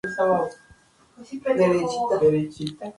Puede mostrar una propiedad lubricante cubriendo la superficie del tejido.